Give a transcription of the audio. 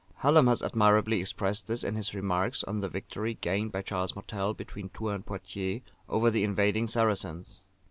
Hallam has admirably expressed this in his remarks on the victory gained by Charles Martel, between Tours and Poictiers, over the invading Saracens.